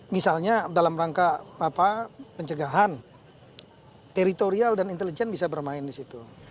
misalnya dalam rangka pencegahan teritorial dan intelijen bisa bermain di situ